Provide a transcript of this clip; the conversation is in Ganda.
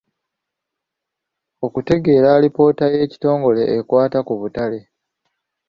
Okutegeera alipoota y'ekitongole ekwata ku butale.